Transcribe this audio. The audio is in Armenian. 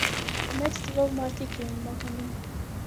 Մեծ թվով մարդիկ էին մահանում։